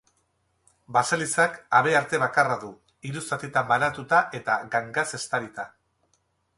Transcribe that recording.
Baselizak habearte bakarra du, hiru zatitan banatuta eta gangaz estalita.